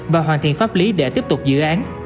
và hoàn thiện pháp lý để tiếp tục dự án